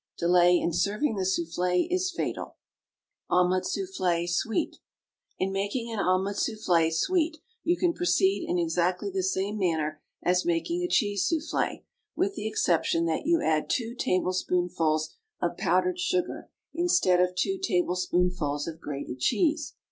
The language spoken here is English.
Delay in serving the souffle is fatal. OMELET SOUFFLE, SWEET. In making an omelet souffle, sweet, you can proceed in exactly the same manner as making a cheese souffle, with the exception that you add two tablespoonfuls of powdered sugar instead of two tablespoonfuls of grated cheese.